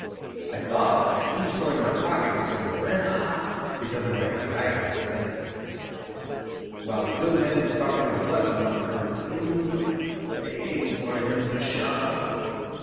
I thought that each coin in my pocket was turning red hot because of my anxiety to spend it. While the good man was talking of the Blessed One I was inwardly praying for him to shut up.